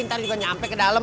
ntar juga nyampe ke dalam